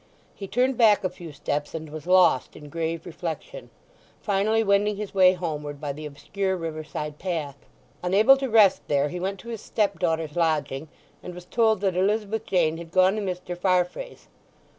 He turned back a few steps and was lost in grave reflection, finally wending his way homeward by the obscure river side path. Unable to rest there he went to his stepdaughter's lodging, and was told that Elizabeth Jane had gone to Mr. Farfrae's.